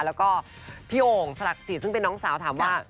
แล้วก็พี่โอ่งสลักจิตซึ่งเป็นน้องสาวถามว่า